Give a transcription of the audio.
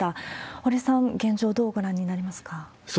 堀さん、現状、どうご覧になりますか？